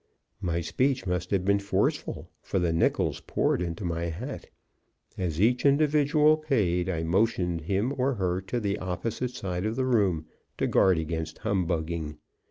My speech must have been forceful, for the nickels poured into my hat. As each individual paid I motioned him or her to the opposite side of the room, to guard against humbugging.